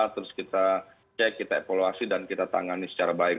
terus kita cek kita evaluasi dan kita tangani secara baik